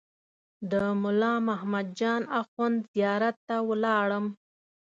د ملا محمد جان اخوند زیارت ته ولاړم.